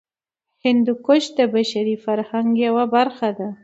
هندوکش د بشري فرهنګ یوه برخه ده.